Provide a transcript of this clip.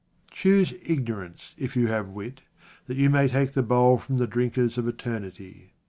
Choose ignorance, if you have wit, that you may take the bowl from the drinkers of eternity.